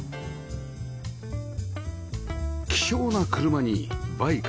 希少な車にバイク